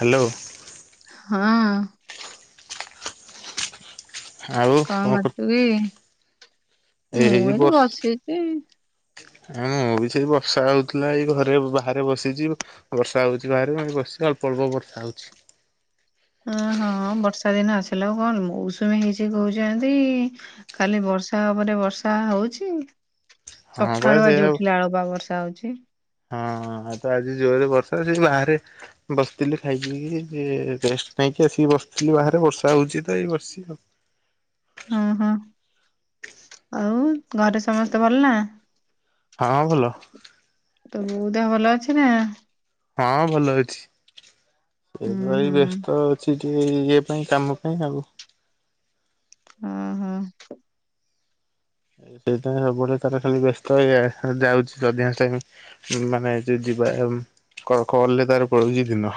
Hello ହଁ ଆଉ ଏ କଣ କରୁଛୁ କି? ମୁଁ ଏୟ ଏଇଠି ବସିଛି। ଆ ବି ସେଇ ବର୍ଷା ହଉଥିଲା ଏଇ ଘରେ ବାହାରେ ବସିଛି। ବର୍ଷା ହଉଛି ବାହାରେ ବସିିଚି ଅଳ୍ପ ଅଳ୍ପ ବର୍ଷା ହଉଛି। ଓ ହଁ ବର୍ଷା ଦିନ ଆସିଲା ଆଉ କଣ ମୌସୁମୀ ହେଇଛି କହୁଛନ୍ତି। ଖାଲି ବର୍ଷା ଉପରେ ବର୍ଷା ହଉଚି। ହଁ ବା ସକାଳୁ ଆଜି ସେଇଆ ଉଠିଲା ଆଳୁ ବା ବର୍ଷା ହଉଚି। ହଁ ଆଉ ତ ଆଜି ଜୋରେ ବର୍ଷା [unintelligible] ବାହାରେ ବସିଥିଲି ଖାଇକି ପିଇକିରି ରେଷ୍ଟ ନେଇକି ଆସିକି ବସିଥିଲି ବାହାରେ ବର୍ଷା ହଉଛି ତ ଏଇ ବସିଛି ଆଉ। ହଁ-ହଁ, ଆଉ ଘରେ ସମସ୍ତେ ଭଲ ନା? ହଁ ଭଲ। ତୋ ବୋଉ ଦେହ ଭଲ ଅଛି ନା? ହଁ ଭଲ ଅଛି, ଏବେ ହୁଁ ହେଇ ହୁଁ ବ୍ୟସ୍ତ ଅଛି। ଏ ଇଏ ପାଇଁ କାମ ପାଇଁ ଆଉ। ହଁ-ହଁ। ସେଇଥିଆଇଁ ସବୁ ବେଳେ ତାର ଖାଲି ବ୍ୟସ୍ତ ଇଆଡେ ସିଆଡେ ଯାଉଛି ଅଧିକାଂଶ ଟାଇମି। ମାନେ ଯୁ ଯିବା ଉମ୍ କଲ୍ ରେ ତାର ପଳଉଚି ଦିନ।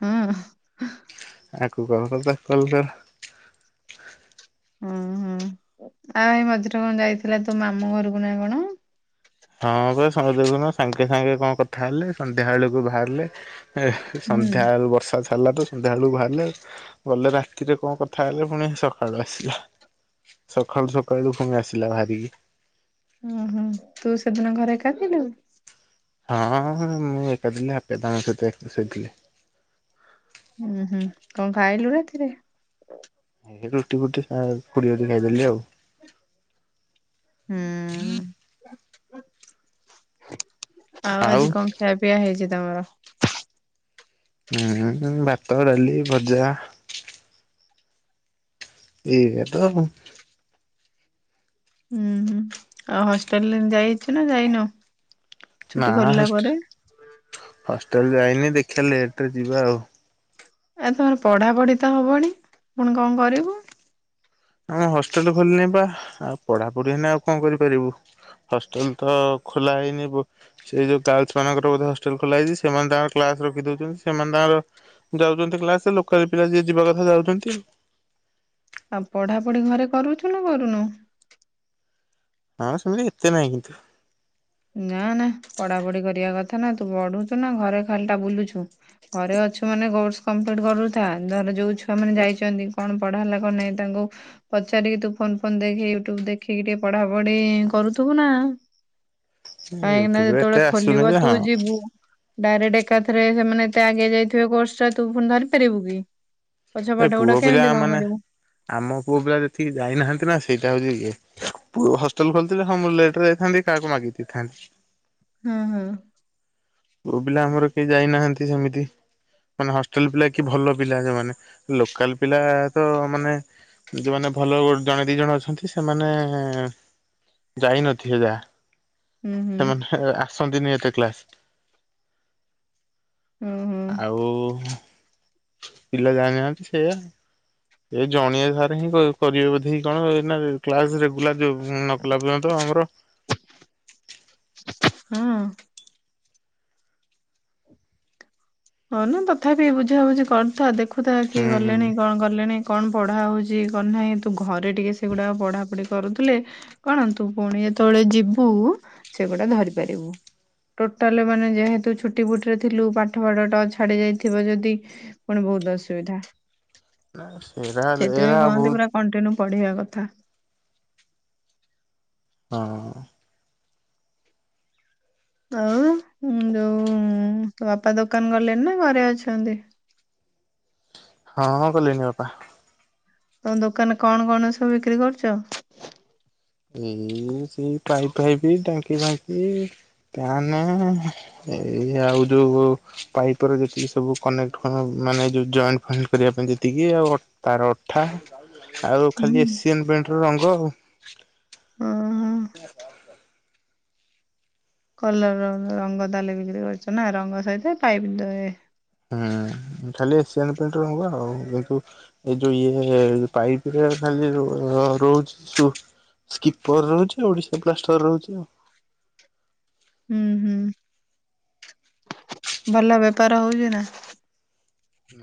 ହଁ। ଆକୁ କଲ୍ କର୍ ତାକୁ କଲ୍ କର୍। ଅଁ ହଁ ଆଉ ଏ ମଝିରେ କଁ ଯାଇଥିଲା ତୋ ମାମୁଁ ଘରକୁ ନା କଣ? ହଁ ବା ସଙ୍ଗେ ଦେଖୁନ ସାଙ୍ଗେ ସାଙ୍ଗେ କଁ କଥା ହେଲେ ସନ୍ଧ୍ୟାଅଳକୁ ବାହାରିଲେ। ଏ ହୁଁ ସନ୍ଧ୍ୟାଏଳୁ ବର୍ଷା ଛା ଲଲା ତ ସନ୍ଧ୍ୟାଆଳୁ ବାହାରିଲେ ଗଲେ ରାତିରେ କଁ କଥା ହେଲେ ପୁଣି ସକାଳୁ ଆସିଲା। ସଖାଳୁ ସକାଳୁ ପୁଣି ଆସିଲା ବାହାରିକି। ଉଁ ହୁଁ, ତୁ ସେଦିନ ଘରେ ଏକା ଥିଲୁ? ହଁ ମୁଁ ଏକା ଥିଲି। ହାପି ଦାଦାଙ୍କ ସହିତ ଏକା ଶୋଇଥିଲି। ହୁଁ-ହୁଁ, କଁ ଖାଇଲୁ ରାତିରେ? ଏ ରୁଟି ଫୁଟି ଆଏ ଖୁଡି ଘରଠି ଖାଇଦେଲି ଆଉ। ହୁଁ ଆଉ ଆଜି କଁ ଖିଆପିଆ ହେଇଚି ତମର? ହୁଁ-ହୁଁ ଭାତ, ଡାଲି, ଭଜା ଏଇଆ ତ ଆଉ। ହୁଁ-ହୁଁ ଆଉ ହଷ୍ଟେଲେ ଯାଇଛୁ ନା ଯାଇନୁ? ନା ଛୁଟି ଖୋଲିଲା ହଷ୍ଟ ପରେ ହଷ୍ଟେଲ୍ ଯାଇନି ଦେଖିଆ ଲେଟ୍ ରେ ଯିବା ଆଉ। ଏ ତମର ପଢାପଢ଼ି ତ ହବଣି ପୁଣି କଁ କରିବୁ? ଆମ ହଷ୍ଟେଲ ଖୋଲିନି ବା ଆଉ ପଢାପଢି ଏଇନା ଆଉ କଁ କରିପାରିବୁ। ହଷ୍ଟେଲ୍ ତ ଖୋଲା ହୋଇନି ବୋ ସେଇ ଯୋଉ ଗାର୍ଲ୍ସ ମାନଙ୍କର ହଷ୍ଟେଲ୍ ଖୋଲା ହେଇଚି ସେମାନେ ତାଙ୍କର କ୍ଲାସ୍ ରଖି ଦଉଛନ୍ତି ସେମାନେ ତାଙ୍କର ଯାଉଚନ୍ତି କ୍ଲାସେ ଲୋକାଲ୍ ପିଲା ଯିଏ ଯିବା କଥା ଯାଉଚନ୍ତି। ଆଁ ପଢାପଢି ଘରେ କରୁଛୁ ନା କରୁନୁ? ହଁ ସେମିତି ଏତେ ନାହିଁ କିନ୍ତୁ। ନା ନା ପଡା ପଡି କରିଆ କଥା ନା ତୁ ପଢୁଛୁ ନା ଘରେ ଖାଲି ଟା ବୁଲୁଛୁ। ଘରେ ଅଛୁ ମାନେ କୋର୍ସ କମ୍ପ୍ଲିଟ୍ କରୁଥା ଧର ଯୋଉ ଛୁଆ ମାନେ ଯାଇଚନ୍ତି କଣ ପଢା ହେଲା କଁ ନାଇଁ ତାଙ୍କୁ ପଚାରିକି ତୁ ଫୋନ୍ ଫୋନ୍ ଦେଖି ୟୁଟ୍ୟୁବ୍ ଦେଖିକି ଟିକେ ପଢାପଢି କରୁଥିବୁ ନା। କାଇଁକି ନା ୟୁଟ୍ୟୁବରେ ଏତେ ଯେତେବେଳେ ଆସୁନି ଖୋଲିବ ଯେ ତୁ ହଁ ଯିବୁ। ଡାଇରେକ୍ଟ ଏକାଥରେ ସେମାନେ ଏତେ ଆଗେଇ ଯାଇଥିଏ କୋର୍ସ ଟା ତୁ ଫୁଣି ଧରି ପାରିବୁ କି ପଛ ଏ ପାଠ ପୁଅ ଗୁଡା ପିଲା କେମିତି କଁ ମାନେ କରିବୁ? ଆମ ପୁଅ ପିଲା ଯେତିକି ଯାଇନାହାନ୍ତି ନା ସେଇଟା ହଉଚି ଇଏ ପୁ ହଷ୍ଟେଲ୍ ଖୋଲିଥିଲେ ହଁଁ ମୁଁ ଲେଟ୍ ରେ ଯାଇଥାନ୍ତି କାଆକୁ ମାଗି ଦେଇଥାନ୍ତି। ହୁଁ-ହୁଁ। ପୁଅ ପିଲା ଆମର କେହି ଯାଇନାହାନ୍ତି ସେମିତି। ମାନେ ହଷ୍ଟେଲ ପିଲା କି ଭଲ ପିଲା ସେମାନେେ ଲୋକାଲ୍ ପିଲା ତ ମାନେ ଯେଉମାନେ ଭଲ ଜଣେ ଦିଇ ଜଣ ଅଛନ୍ତି ସେମାନେ ଯାଇନଥିଲେ ଯାହା। ହୁଁ ହୁଁ ସେମାନେ [unintelligible] ଆସନ୍ତିନି ଏତେ କ୍ଲାସ୍। ହୁଁ ହୁଁ ଆଉ ପିଲା ଜାଣିନାହାନ୍ତି ସେୟା। ଏ ଜଣିଏ ସାର ହିଁ କରିବେ ବୋଧେ କଣ ନା କ୍ଲାସ୍ ରେଗୁଲାର [unintelligible] ମୁଁ ନକଲା ପର୍ଯ୍ୟନ୍ତ ଆମର ହଁ। ହଉ ନା ତଥାପି ବୁଝାବୁଝି କରୁଥା ଦେଖୁଥା କିଏ ହୁଁ ଗଲେଣି କଣ ଗଲେଣି କଣ ପଢ଼ା ହଉଚି କଣ ନାହିଁ ତୁ ଘରେ ଟିକିେ ସେଗୁଡ଼ାକ ପଢ଼ାପଢ଼ି କରୁଥିଲେ କଣ ତୁ ପୁଣି ଯେତବେଳେ ଯିବୁ ସେଗୁଡା ଧରି ପାରିବୁ। ଟୋଟାଲି ମାନେ ଯେହେତୁ ଛୁଟି ବୁଟିରେ ଥିଲୁ ପାଠପଢା ଟଚ୍ ଛାଡ଼ି ଯାଇଥିବ ଯଦି ପୁଣି ବହୁତ୍ ଅସୁବିଧା। ସେରା ଏରା ସେଥିପାଇଁ କୁହନ୍ତି ବହୁତ ପୁରା କଣ୍ଟିନ୍ୟୁ ପଢିବା କଥା। ହଁ। ଆଉ ଯୋଉ ତୋ ବାପା ଦୋକାନ୍ ଗଲେଣି ନା ଘରେ ଅଛନ୍ତି? ହଁ ଗଲେଣିି ବାପା। ତମ ଦୋକାନରେ କଣ-କଣ ସବୁ ବିକ୍ରି କରୁଚ? ଉ ସେଇ ପାଇପ୍ ଫାଇପ୍ ଟାଙ୍କି ଫାଙ୍କି ଫ୍ୟାନ୍ ଏଇ ଆଉ ଯୋଉ ପାଇପ୍ ର ଯେତିକି ସବୁ କନେକ୍ଟ ମାନେ ଜଏଣ୍ଟ ଫଏଣ୍ଟ କରିବା ପାଇଁ ଯେତିକି ଆଉ ତାର [unintelligible] ହୁଁ। ଖାଲି ଏସିଆନ୍ ପେଣ୍ଟର ରଙ୍ଗ ଆଉ। ହୁଁ-ହୁଁ। [inaudible] କଲର ର ରଙ୍ଗ ତାଲେ ବିକ୍ରି କରୁଚ ନା ରଙ୍ଗ ସହିତ ପାଇପ ଦେ ହୁଁ ଖାଲି ଏସିଆନ୍ ପ୍ରିଣ୍ଟି ରଙ୍ଗ ଆଉ [unintelligible] ଏ ଯୋଉ ଇଏ ପାଇପ୍ ରେ ଖାଲି ରହୁଚି ସ୍କିପର ରହୁଚି ଆଉ ଓଡିଶା [unintelligible] ରହୁଚି ଆଉ। ହୁଁ। ହୁଁ ଭଲ ବେପାର ହଉଚି ନା।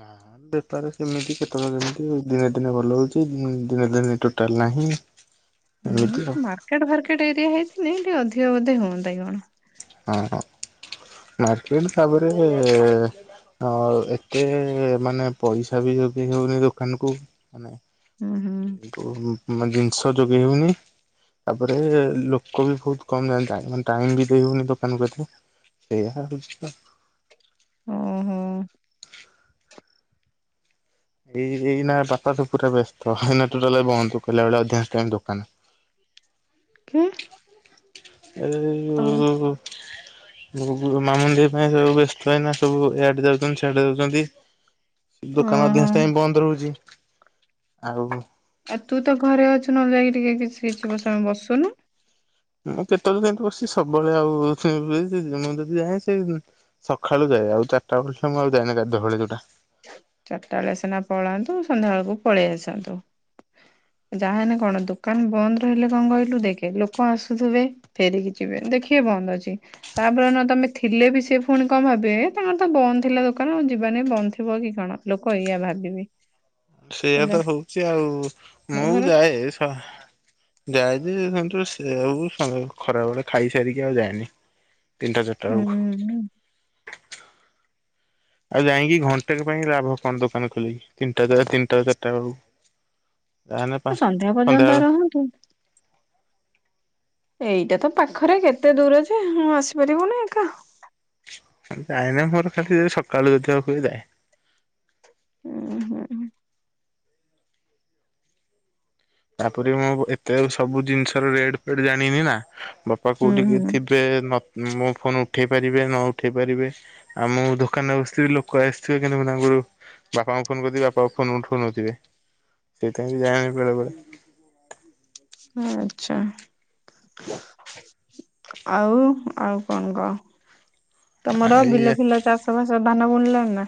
ନା। ବେପାର ସେମିତି କେତବେଳେ କେମିତି ଦିନେ-ଦିନେ ଭଲ ହଉଚି ଦିନେ-ଦିନେ ଟୋଟାଲ୍ ନାହିଁ ହୁଁ ଏମିତି ଆଉ। ମାର୍କେଟ ଫାର୍କେଟ ଏରିଆ ହେଇଥିଲେ ଟିକେ ଅଧିକ ବୋଧେ ହୁଅନ୍ତା କି କଣ। ହଁ-ହଁ ମାର୍କେଟ୍ ତାପରେ ହଁ ଏତେ ମାନେ ପଇସା ବି ଯୋଗେ଼ଇ ହଉନି ଦୋକାନକୁ ମାନେ ହୁଁ-ହୁଁ। [unintelligible] ଜିନିଷ ଯୋଗେଇ ହଉନି ତାପରେ ଲୋକ ବି ବହୁତ୍ କମ୍ ଯାଆନ୍ତି ଟାଇମ୍ ବି ଦେଇହଉନି ଦୋକାନ ପ୍ରତି ସେଇଆା ହଉଚି ତ ହୁଁ-ହୁଁ। ଏଇ ଏଇନା ବାପା ତ ପୁରା ବ୍ୟସ୍ତ ଏଇନା ଟୋଟାଲ୍ ବନ୍ଦ ଅଧିକାଂଶ ଟାଇମ୍ ଦୋକାନ [unintelligible] ଅଲ- [unintelligible] ମାମୁନି ଦେଇ ପାଇଁ ସବୁ ବ୍ୟସ୍ତ ଏଇନା ସବୁ ଇଆଡେ ଯାଉଚନ୍ତି ସିଆଡେ ଯାଉଚନ୍ତି। ଦୋକାନ ଓହୋ। ଅଧିକାଂଶ ଟାଇମ ବନ୍ଦ ରହୁଛି ଆଉ ଆଉ ତୁ ତ ଘରେ ଅଛୁ ନହେଲେ ଯାଇକି ଟିକେ କିଛି ସମୟ ବସୁନୁ। ମୁଁ କେତେବେଳେ କେମିତି ବସୁଚି ସବୁବେଳେ ଆଉ ମୁଁ ଯଦି ଯାଏ ସେ ସଖାଳୁ ଯାଏ ଆଉ ଚାରିଟାବେଳେ ମୁଁ ଆଉ ଯାଏନି ଗାଧୁଆବେଳେ ଯୋଉଟା। ଚାରିଟାବେଳେ ସିନା ପଳାନ୍ତୁ ସନ୍ଧ୍ୟାବେଳକୁ ପଳେଇ ଆସନ୍ତୁ। ଯାହା ହେଲେ କଣ ଦୋକାନ ବନ୍ଦ ରହିଲେ କଣ କହିଲୁ ଦେଖେ ଲୋକ ଆସୁଥିବେ ଫେରିକି ଯିବେ ଦେଖିବେ ବନ୍ଦ ଅଛି। ତାପରେ ନ ତମେ ଥିଲେ ବି ସେ ଫୁଣି କଣ ଭାବିବେ ତାଙ୍କର ତ ବନ୍ଦ ଥିଲା ଦୋକାନ ଆଉ ଯିବାନି ବନ୍ଦ ଥିବ କି କଣ। ଲୋକ ଏଇଆ ଭାବିବେ। ସେଇଆ ହେଲା ତ ହଉଛି ଆଉ, ହଁ ମୁଁ ପରା। ଯାଏ ହଁ ଯାଏଯେ ସେ ସେଉ ଖରାବେଳେ ଖାଇସାରିକି ଆଉ ଯାଏନି। ତିନିଟା ଚାରିଟା ହୁଁ ବେଳକୁ ହୁଁ। ଆଉ ଯାଇକି ଘଣ୍ଟେକ ପାଇଁ ଲାଭ କଣ ଦୋକାନ ଖୋଲିକି ତିନି ଟା ତିନିଟା ଚାରିଟାବେଳକୁ ଯାହା ହେଲେ ପା ସନ୍ଧ୍ୟା ପର୍ଯ୍ୟନ୍ତ ସନ୍ଧ୍ୟାବେଳ ରହନ୍ତୁ। ଏଇଟା ତ ପାଖରେ କେତେ ଦୂରଯେ ହଁ ଆସିପାରିବୁନି ଏକା। ଯାଏନି ମୋର ଖାଲି ଯଦି ସକାଳୁ ଦେଖିବାକୁ ଯାଏ। ହୁଁ ହୁଁ। ତାପରେ ମୁଁ ଏତେ ସବୁ ଜିନିଷର ରେଟ ଫେଟ ଜାଣିନି ନା ବାପା ହୁଁ କୋଉଠି କି ହୁଁ। ଥି ବେ ନଥି ମୋ ଫୋନ ଉଠେଇ ପାରିବେ ନ ଉଠେଇ ପାରିବେ। ଆମ ଦୋକାନରେ ବସିଥିବି ଲୋକ ଆସିଥିବେ କିନ୍ତୁ ମୁଁ ତାଙ୍କୁ ବାପାଙ୍କୁ ଫୋନ କରୁଥିବି ବାପା ଫୋନ ଉଠଉନଥିବେ ସେଇଥିପାଇଁ ଯାଏନି ବେଳେ ବେଳେ। ଆଚ୍ଛା [unintelligible] ଆଉ ଆଉ କଣ କଅ? ତମର ବିଲ ଏଇ ଫିଲ ଚାଷବାସ ଧାନ ବୁଣିଲଣି ନା?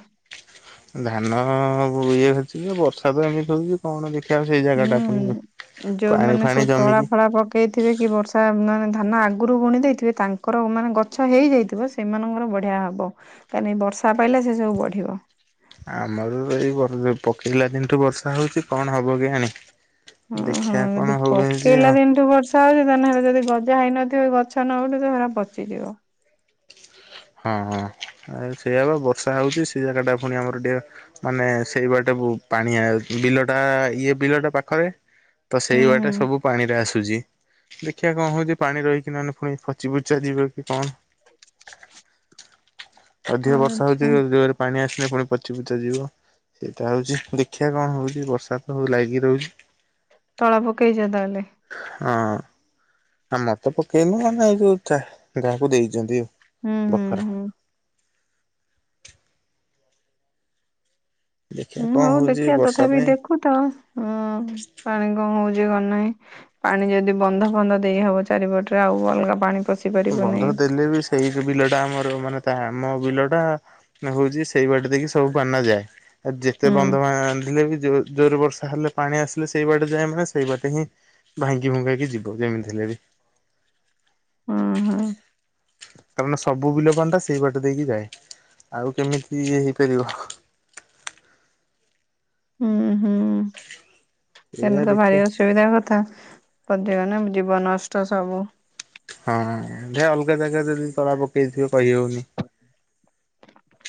ଧାନ ବୁଣିବ କିଏ ବର୍ଷା ତ ଏମିତି ହଉଛି। କଣ ଦେଖିବା ସେଇ ଜାଗାଟା କୁ ହୁଁ ପାଣି ଫାଣି ଜମିଚି। ହେଇଥିବେ କି ବର୍ଷା ମାନେ ଧାନ ଆଗରୁ ବୁଣି ଦେଇଥିବେ ତାଙ୍କର ମାନେ ଗଛ ହେଇଯାଇଥିବ ସେ ସେମାନଙ୍କର ବଢ଼ିଆ ହବ କାହିଁ ବର୍ଷା ପାଇଲା ସେ ସବୁ ବଢିବ। ଆମର ଏଇ ପକେଇଲା ଦିନଠୁ ବର୍ଷା ହଉଛି କଣ ହବ କେଜାଣି। ଅ ହଁ ଦେଖିବା କଣ ଯଦି ହଉଛି ପକେଇଲା ଆଉ। ଦିନଠୁ ବର୍ଷା [unintelligible] ଧାନ ଯଦି ଗଜା ହେଇନଥିବ ଗଛ ନ ଉଠିବ ସେଗୁଡ଼ାକ ପଚିଯିବ। ହଁ ହଁ ସେଇଆ ବା ବର୍ଷା ହଉଛି ସେ ଜାଗା ଟା ପୁଣି ଆମର ଟିକେ ମାନେ ସେଇ ବାଟ କୁ ପାଣି ଆଉଚି ବିଲଟା ଇଏ ବିଲଟା ପାଖରେ। ତ ସେଇ ହୁଁ ହୁଁ ବାଟେ ସବୁ ପାଣିରେ ଆସୁଛି। ଦେଖିବା କଣ ହଉଛି ପାଣି ରହିକି ନହେଲେ ଫୁଣି ପଚି ପୁଚା ଯିବେ କି କଣ। ଅଧିକ ବର୍ଷା ଆଚ୍ଛା ହଉଛି ଯୋରେ ପାଣି ଆସିଲେ ପୁଣି ପଚିପୁଚା ଯିବ। ସେଇଟା ହଉଛି ଦେଖିବା କଣ ହଉଛି ବର୍ଷା ତ ଲାଗି ରହୁଛି। ତଳା ପକେଇଛ ତାହେଲେ? ହଁ ଆମର ତ ପକେଇନୁ ଆମେ ଏଇ ଯୋଛା କାହାକୁ ଦେଇଛନ୍ତି। ହୁଁ ହୁଁ। [unintelligible] ହୁଁ ଦେଖିବା ହୁଁ କଣ ହଉ ହଉଛି ଦେଖିଆ ବର୍ଷା ତଥାପି ପାଇଁ ଦେଖୁଥାଅ ହଁ ପାଣି କଣ ହଉଛି କଣ ନାହିଁ। ପାଣି ଯଦି ବନ୍ଧ ଫନ୍ଧ ଦେଇହବ ଚାରିପଟରେ ଆଉ ଅଲଗା ପାଣି ପଶି ପାରିବନି ବନ୍ଧ ଦେଲେ ବି ସେଇ ଯୋଉ ବିଲ ଟା ଆମର ମାନେ ତା ଆମ ବିଲ ଟା ଏ ହେଉଛି ସେଇ ବାଟ ଦେଇକି ସବୁ ପାଣିଟା ଯାଏ ଆଉ ଯେତେ ହୁଁ ବନ୍ଧ ବାନ୍ଧିଲେ ବି ଜୋର ବର୍ଷା ହେଲେ ପାଣି ଆସିଲେ ସେଇ ବାଟେ ଯାଏଁ ମାନେ ସେଇ ବାଟେ ହିଁ ଭାଙ୍ଗି ଭୁଙ୍ଗାକି ଯିବ ଯେମିତି ହେଲେ ବି। ଉଁ ହୁଁ। କାରଣ ସବୁ ବିଲ ପାଣି ଟା ସେଇ ବାଟ ଦେଇକି ଯାଏ ଆଉ କେମିତି ହେଇପାରିବ। ହୁଁ ହୁଁ। ସେ ଏଇଆ ଦିନ ତା ଭାଇ ଦେଖିଆ ଆସିବ। ଏଇବାଗିଆ କଥା ପଦିବନା ଜୀବ ନଷ୍ଟ ସବୁ। ହଁ ଜା ଅଲଗା ଜାଗା ଯଦି ତଳା ପକେଇଥିବେ କହି ହଉନି।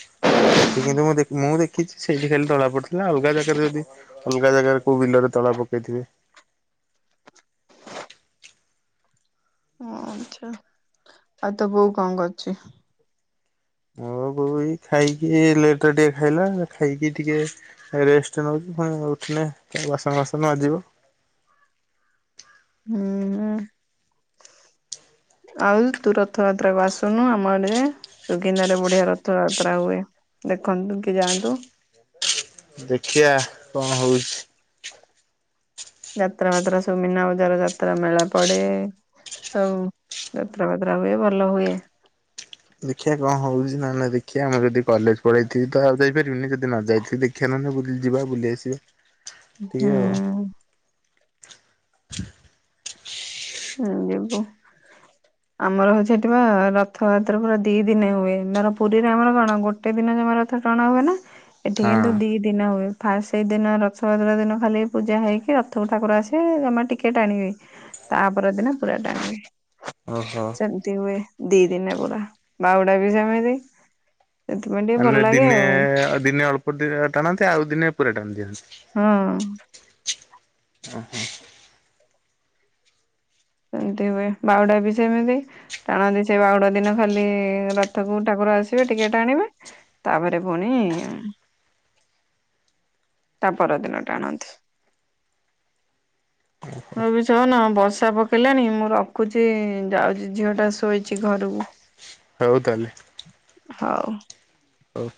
ସେଠି କିନ୍ତୁ ମୁଁ ଦେଖନି ମୁଁ ଦେଖିଛି ସେଇଠି ଖାଲି ତଳା ପଡିଥିଲା। ନାଁ ଅଲଗା ଜାଗାରେ ଯଦି ଅଲଗା ଜାଗାରେ କୋଉଁ ବିଲରେ ତଳା ପକେଇଥିବେ। ଓ ଆଚ୍ଛା ଆଉ ତୋ ବୋଉ କଣ କରୁଛି? ମୋ ବୋଉ ଏଇ ଖାଇକି ଲେଟରେ ଟିକେ ଖାଇଲା ଖାଇକି ଟିକେ ରେଷ୍ଟ ନେଉଛି ପୁଣି ଉଠିଲେ ବାସନ ବାସନ ମାଜିବ। ହୁଁ ଉଁ। ଆଉ ତୁ ରଥଯାତ୍ରା କୁ ଆସୁନୁ ଆମ ଆଡେ ସୁକିନ୍ଦାରେ ବଢିଆ ରଥଯାତ୍ରା ହୁଏ। ଦେଖନ୍ତୁ କି ଯାଆନ୍ତୁ। ଦେଖିବା କଣ ହଉଛି? ଯାତ୍ରା ମାତ୍ରା ସବୁ ମିନା ବଜାର ଯାତ୍ରା ମେଳା ପଡେଏ। ଆଉଁ ଯାତ୍ରା ଫାତ୍ରା ହୁଏ ଭଲ ହୁଏ। ଦେଖିିବା କଣ ହଉଛି ନାଁ ନାଁ ଦେଖିବା ଆମେ ଯଦି କଲେଜ ପଳେଇଥିବି ତ ଆଉ ଯାଇପାରିବିନି ଯଦି ନ ଯାଇଥିବି ଦେଖି ଖେନନେ ବୁଲି ଯିବା ବୁଲି ଆସିବା। ହୁଁ। ଟିକେ ଆଉ ହୁଁ ଯିବୁ। ଆମର ହଉଛି ସେଠିଁ ବା ରଥଯାତ୍ରା ପୁରା ଦି ଦିନେ ହୁଏ ଧର ପୁରୀରେ ଆମର କଣ ଗୋଟେ ଗୋଟେ ଦିନ ଜମା ରଥ ଟଣା ହୁଏ ନାଁ ଏଠି ହଁ କିନ୍ତୁ ଦି ଦିନ ହୁଏ ଫାଷ୍ଟ ସେଇଦିନ ରଥଯାତ୍ରା ଦିନ ଖାଲି ପୂଜା ହେଇକି ରଥ ଠାକୁର ଆସିବେ ଜମା ଟିକେ ଟାଣିବେ। ତାପର ଦିନ ପୁରା ଟାଣିବେ। ଓ ହୋ। ସେମିତି ହୁଏ ଦି ଦିନେ ପୁରା ବାହୁଡା ବି ସେମିତି। ସେଥିପାଇଁ ଟିକେ ଭଲ ମାନେ ଲାଗେ ଦିନେ ଆଉ ଦିନେ ଅଳ୍ପ ଟିକେ ଟାଣନ୍ତି ଆଉ ଦିନେ ପୁରା ଟାଣି ଦିଅନ୍ତି। ହଁ। ଓ ହୋ। ସେମିତି ହୁଏ ବାହୁଡା ବି ସେମିତି। ଟାଣନ୍ତି ସେ ବାହୁଡ଼ା ଦିନ ଖାଲି ରଥକୁ ଠାକୁର ଆସିବେ ଟିକେ ଟାଣିବେ। ତାପରେ ପୁଣିଇଏ। ତା ପରଦିନ ଟା ଆଣନ୍ତୀ। ମୁଁ ବି ଯୋଉଁ ନୁହଁ ବର୍ଷା ପ ପକେଇ ଲାଣି ମୁଁ ରଖୁଛି ଯାଉଛି ଝିଅ ଟା ଶୋଇଛି ଘରକୁ। ହଉ ତାହଲେ। ହଉ। ଓଉଁ।